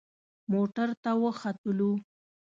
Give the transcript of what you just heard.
موټر ته وختلو.